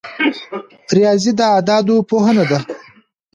ریاضي د اعدادو پوهنه ده